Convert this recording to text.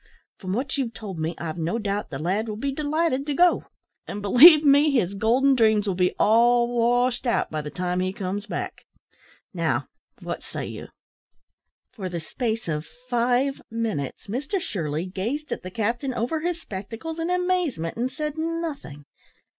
From what you've told me, I've no doubt the lad will be delighted to go. And, believe me, his golden dreams will be all washed out by the time he comes back. Now, what say you!" For the space of five minutes Mr Shirley gazed at the captain over his spectacles in amazement, and said nothing.